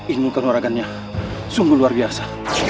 ilmu keoragannya sungguh luar biasa